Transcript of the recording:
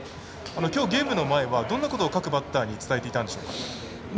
きょう、ゲームの前はどんなことを各バッターに伝えていたんでしょうか？